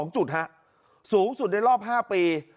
๕๕๗๒จุดฮะสูงสุดในรอบ๕ปี